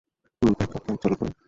Backup pump চালু করো।